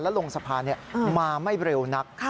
แล้วลงสะพานมาไม่เร็วนัก